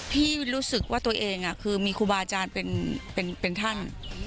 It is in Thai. รู้สึกว่าตัวเองคือมีครูบาอาจารย์เป็นท่าน